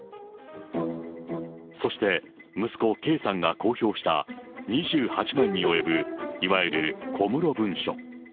そして息子、圭さんが公表した２８枚に及ぶいわゆる小室文書。